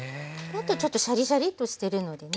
もっとちょっとシャリシャリッとしてるのでね。